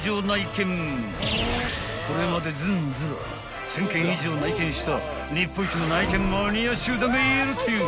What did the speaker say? ［これまでズンズラ１，０００件以上内見した日本一の内見マニア集団がいるという］